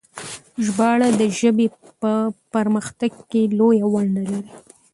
ژباړه د ژبې په پرمختګ کې لويه ونډه لري.